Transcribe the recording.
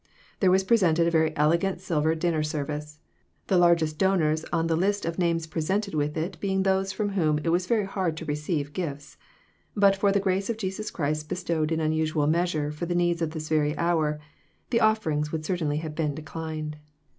There was presented a very elegant silver din ner service, the largest donors on the list of names presented with it being those from whom it was very hard to receive gifts ; and but for the grace of Jesus Christ bestowed in unusual measure for the needs of this very hour, the offerings would certainly have been declined.